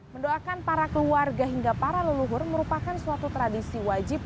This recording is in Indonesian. mendoakan para keluarga hingga para leluhur merupakan suatu tradisi wajib